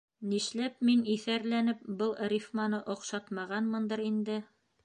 Нишләп мин иҫәрләнеп был рифманы оҡшатмағанмындыр инде!